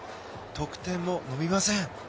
得点も伸びません。